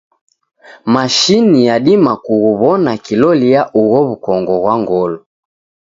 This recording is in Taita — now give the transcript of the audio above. Mashini yadima kughuw'ona kilolia ugho w'ukongo ghwa ngolo.